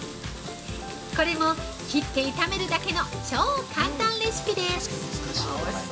これも切って炒めるだけの超簡単レシピです！